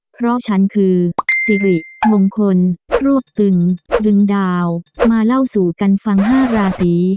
เพราะฉันคือสิริมงคลรวบตึงดึงดาวมาเล่าสู่กันฟัง๕ราศี